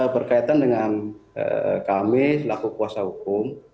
berkaitan dengan kami selaku kuasa hukum